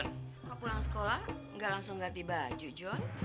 nggak pulang sekolah nggak langsung ganti baju jon